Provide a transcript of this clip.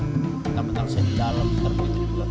nanti nanti saya di dalam nanti begitu di luar